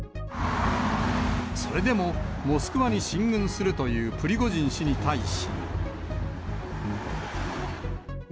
それでもモスクワに進軍するというプリゴジン氏に対し。